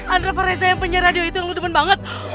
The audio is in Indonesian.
andre fereza yang penyiar radio itu yang lo demen banget